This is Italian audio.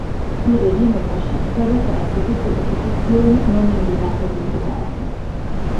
Il regime fascista represse tutte le associazioni non in linea con il governo.